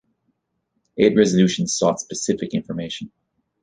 Eight resolutions sought specific information.